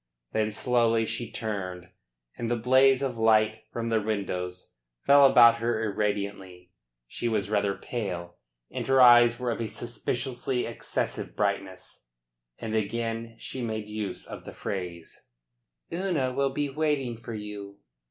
Then slowly she turned and the blaze of light from the windows fell about her irradiantly. She was rather pale, and her eyes were of a suspiciously excessive brightness. And again she made use of the phrase: "Una will be waiting for you."